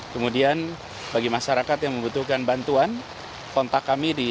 kemudian bagi masyarakat yang membutuhkan bantuan kontak kami di satu ratus dua belas